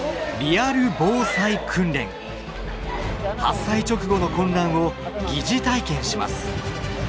発災直後の混乱を疑似体験します。